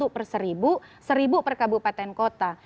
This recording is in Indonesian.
satu per seribu seribu per kabupaten kota